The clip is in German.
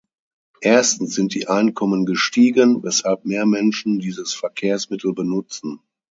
Erstens sind die Einkommen gestiegen, weshalb mehr Menschen dieses Verkehrsmittel benutzen.